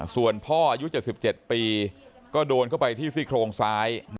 ส่วนพ่ออายุ๗๗ปีก็โดนเข้าไปที่ซี่โครงซ้าย